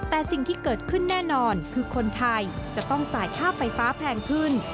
แต่สิ่งที่เกิดขึ้นแน่นอนคือคนไทยจะต้องจ่ายค่าไฟฟ้าแพงขึ้น